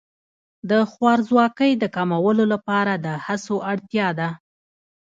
د خوارځواکۍ د کمولو لپاره د هڅو اړتیا ده.